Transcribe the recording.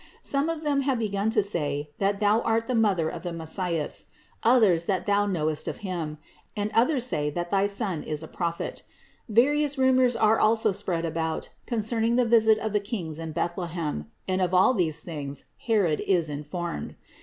Some of them have begun to say that Thou art the Mother of the Messias ; others that Thou knowest of Him; and others say that thy Son is a Prophet. Various rumors are also spread about concerning the visit of the Kings in Bethlehem, and of all these things Herod is informed.